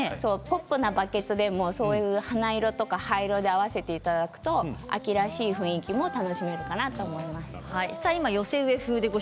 ポップなバケツでも花色や葉色で合わせていただくと秋らしい雰囲気も楽しめるかなと思います。